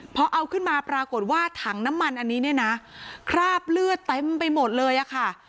พอเอาขึ้นมาปรากฏว่าถังน้ำมันอันนี้เนี่ยนะคราบเลือดเต็มไปหมดเลยอะค่ะ